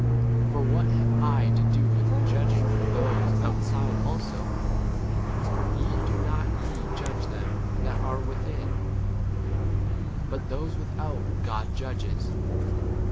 For what [have] I [to do] with judging those outside also ? a ye, do not ye judge them 13 that are within? But those without God judges.